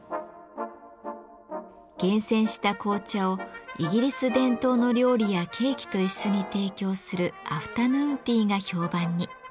厳選した紅茶をイギリス伝統の料理やケーキと一緒に提供するアフタヌーンティーが評判に。